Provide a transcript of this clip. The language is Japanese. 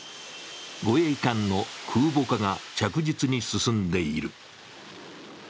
護衛艦の空母化が着実に進んでいる。